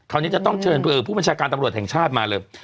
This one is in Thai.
นี้จะต้องเชิญผู้บัญชาการตำรวจแห่งชาติมาเลย